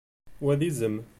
Wa d izem.